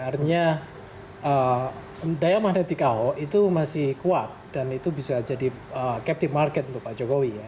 artinya daya magnetik ahok itu masih kuat dan itu bisa jadi captive market untuk pak jokowi ya